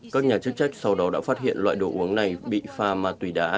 các nhà chức trách sau đó đã phát hiện loại đồ uống này bị pha mà tùy đã